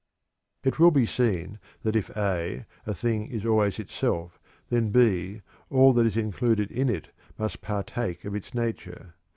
It will be seen that if (a) a thing is always itself, then (b) all that is included in it must partake of its nature.